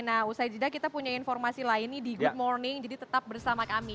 nah usai tidak kita punya informasi lainnya di good morning jadi tetap bersama kami ya